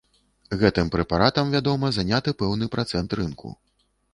Гэтым прэпаратам, вядома, заняты пэўны працэнт рынку.